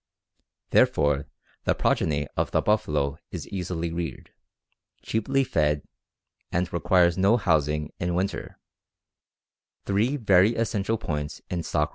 Therefore the progeny of the buffalo is easily reared, cheaply fed, and requires no housing in winter; three very essential points in stock raising.